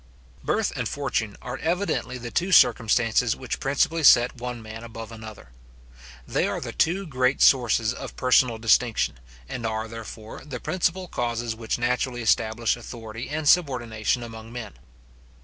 Birth and fortune are evidently the two circumstances which principally set one man above another. They are the two great sources of personal distinction, and are, therefore, the principal causes which naturally establish authority and subordination among men.